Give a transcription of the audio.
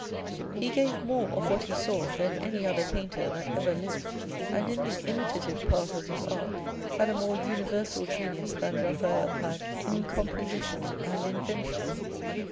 He gave more of what he saw than any other painter that ever lived, and in the imitative part of his art had a more universal genius than Eaphael had in composition and invention.